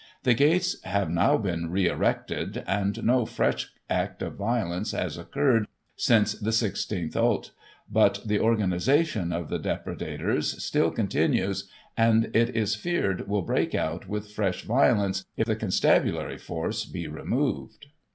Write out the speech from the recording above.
The gates have now been re erected, and no fresh act of violence has occurred since the i6th ult., but the organisation of the depredators still continues ; and, it is feared, will break out with fresh violence if the constabulary force be removed."